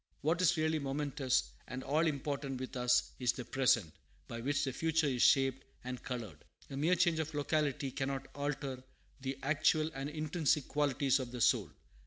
What is really momentous and all important with us is the present, by which the future is shaped and colored. A mere change of locality cannot alter the actual and intrinsic qualities of the soul.